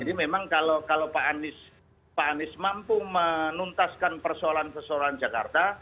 jadi memang kalau pak anies mampu menuntaskan persoalan persoalan jakarta